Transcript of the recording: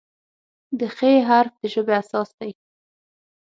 د "خ" حرف د ژبې اساس دی.